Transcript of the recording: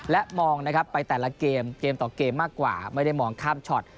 และมองนะครับไปแต่ละเกมเกมต่อเกมมากกว่าไม่ได้มองข้ามช็อต